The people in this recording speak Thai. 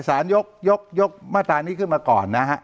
สารยกมาตรานี้ขึ้นมาก่อน